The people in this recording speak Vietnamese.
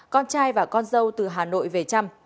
con trai và con dâu từ hà nội về chăm